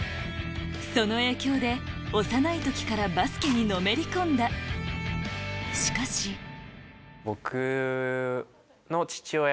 その影響で幼い時からバスケにのめり込んだしかし僕の父親